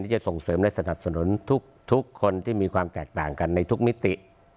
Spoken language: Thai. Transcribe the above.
จะส่งเสริมและสนับสนุนทุกคนที่มีความแตกต่างกันในทุกมิติ